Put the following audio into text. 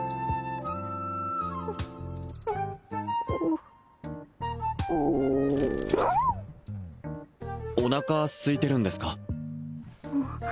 うおなかすいてるんですか？